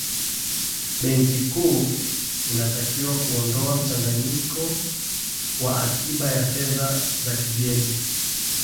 benki kuu inatakiwa kuondoa mchanganyiko wa akiba ya fedha za kigeni